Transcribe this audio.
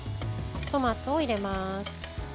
トマトを入れます。